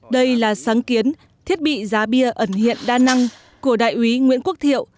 đây là sáng kiến thiết bị giá bia ẩn hiện đa năng của đại úy nguyễn quốc thiệu